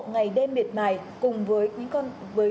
ngày đêm miệt mài cùng với